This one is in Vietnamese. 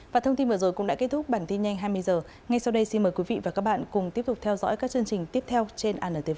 và thông tin vừa rồi cũng đã kết thúc bản tin nhanh hai mươi h ngay sau đây xin mời quý vị và các bạn cùng tiếp tục theo dõi các chương trình tiếp theo trên anntv